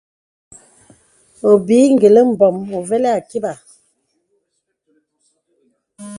Obìì gə̀lì mbɔ̄m uvəlì àkibà.